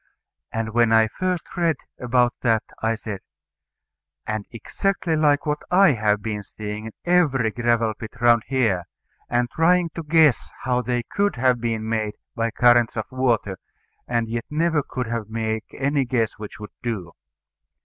And when I first read about that, I said, "And exactly like what I have been seeing in every gravel pit round here, and trying to guess how they could have been made by currents of water, and yet never could make any guess which would do."